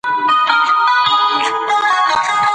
که امنیت وي نو ویره نه خپریږي.